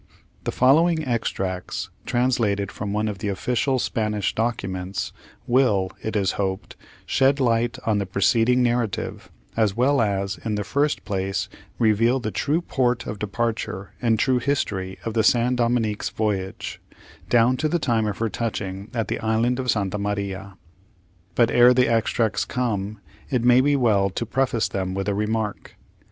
The following extracts, translated from one of the official Spanish documents, will, it is hoped, shed light on the preceding narrative, as well as, in the first place, reveal the true port of departure and true history of the San Dominick's voyage, down to the time of her touching at the island of St. Maria. But, ere the extracts come, it may be well to preface them with a remark.